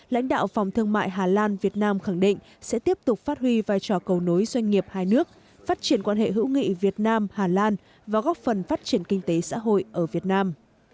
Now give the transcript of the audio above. lãnh đạo phòng thương mại hà lan việt nam khẳng định sẽ tiếp tục phát huy vai trò cầu nối doanh nghiệp hai nước phát triển quan hệ hữu nghị việt nam hà lan và góp phần phát triển kinh tế xã hội ở việt nam